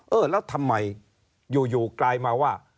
เออแล้วทำไมอยู่กลายมาว่า